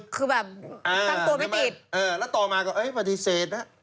คือแบบทำตัวไม่ติด